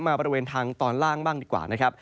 บริเวณทางตอนล่างบ้างดีกว่านะครับ